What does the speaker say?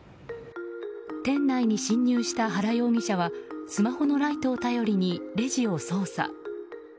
店内に侵入した原容疑者はスマホのライトを頼りにレジを操作。